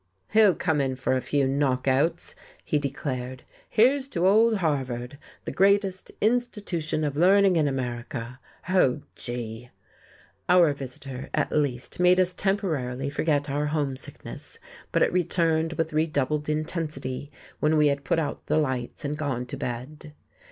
"He'll come in for a few knockouts," he declared. "Here's to old Harvard, the greatest institution of learning in America! Oh, gee!" Our visitor, at least, made us temporarily forget our homesickness, but it returned with redoubled intensity when we had put out the lights and gone to bed.